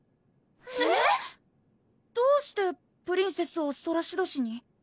えぇっ⁉どうしてプリンセスをソラシド市に？